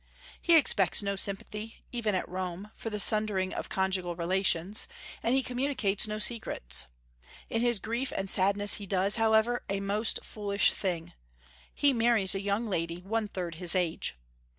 He expects no sympathy, even at Rome, for the sundering of conjugal relations, and he communicates no secrets. In his grief and sadness he does, however, a most foolish thing: he marries a young lady one third his age.